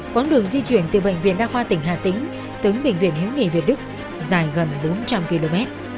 quãng đường di chuyển từ bệnh viện đa khoa tỉnh hà tĩnh tới bệnh viện hiếu nghị việt đức dài gần bốn trăm linh km